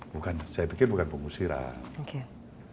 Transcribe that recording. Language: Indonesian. bukan saya pikir bukan pengusiran